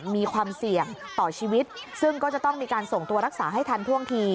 มีความเสี่ยงต่อชีวิตซึ่งก็จะต้องมีการส่งตัวรักษาให้ทันท่วงที